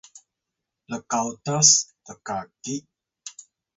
lkawtas lkaki